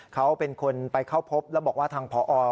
เขาเป็นคนไปเข้าพบแล้วบอกว่าทางพอ